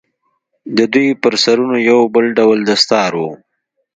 د دوى پر سرونو يو بل ډول دستار و.